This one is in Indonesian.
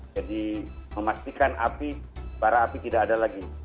jadi memastikan api para api tidak ada lagi